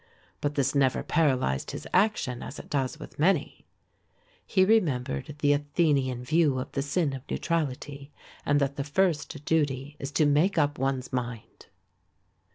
But this never paralysed his action as it does with many. He remembered the Athenian view of the sin of neutrality and that the first duty is to make up one's mind.